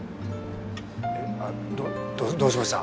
あどどうしました？